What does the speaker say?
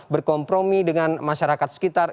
berkompromi dengan masyarakat sekitar